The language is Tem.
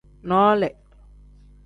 Noole.